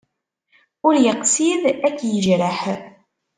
Ur yeqsid ad k-yejreḥ.